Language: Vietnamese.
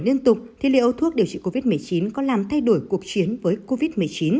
liên tục thì liệu thuốc điều trị covid một mươi chín có làm thay đổi cuộc chiến với covid một mươi chín